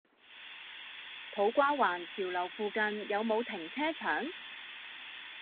土瓜灣潮樓附近有無停車場？